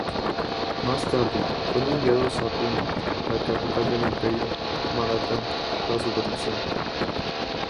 Más tarde, fueron enviados a Pune, la capital del Imperio Maratha, para su protección.